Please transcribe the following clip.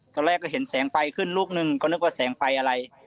ตอนแรกก็เห็นแสงไฟขึ้นลูกนึงก็นึกว่าแสงไฟอะไร